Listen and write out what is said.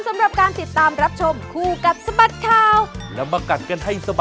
หมาน่ารักเต่นอาหารครับ